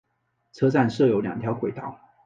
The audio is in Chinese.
车站设有两条轨道。